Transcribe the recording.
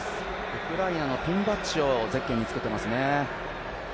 ウクライナのピンバッジをゼッケンにつけてますね。